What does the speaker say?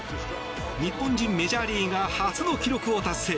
日本人メジャーリーガー初の記録を達成。